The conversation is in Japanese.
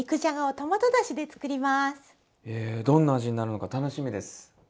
えどんな味になるのか楽しみです。